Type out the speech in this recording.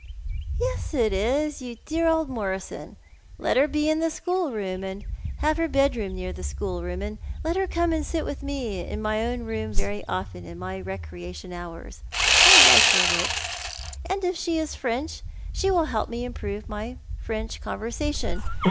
"Yes, it is, you dear old Morisou. Let her be in the school room, and have her bedroom near the schoolroom, and let her come and sit with mo in my own room very often, in my recreation hours. I like her looks. And if she is French, she will help me to improve in my French conversation.